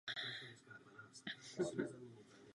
Stěny u vstupu jsou obloženy mramorem.